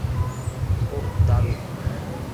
ওহ, দারুন।